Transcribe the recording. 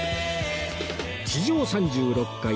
地上３６階